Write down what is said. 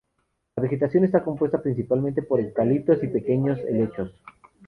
La vegetación está compuesta principalmente por eucaliptos y pequeños helechos.